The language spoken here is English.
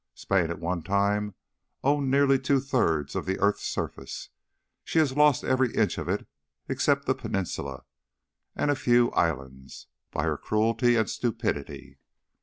Spain at one time owned nearly two thirds of the earth's surface. She has lost every inch of it, except the Peninsula and a few islands, by her cruelty and stupidity.